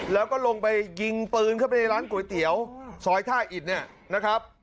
แล้วก็ลงไปยิงปืนเข้าไปในร้านก๋วยเตี๋ยวซอยท่าอิดเนี่ยนะครับ